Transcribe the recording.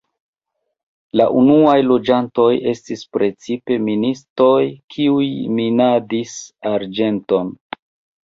La unuaj loĝantoj estis precipe ministoj, kiuj minadis arĝenton.